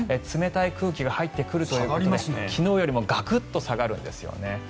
冷たい空気が入ってくるということで昨日よりもガクッと下がるんですよね。